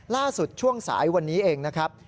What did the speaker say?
ล่าสุดช่วงสายวันนี้เองนะครับ